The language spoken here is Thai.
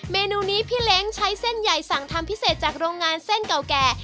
เมนูนี้พี่เล้งใช้เส้นใหญ่สั่งทำพิเศษจากโรงงานเส้นเก่าแก่